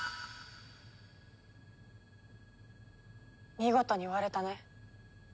見事に割れたね。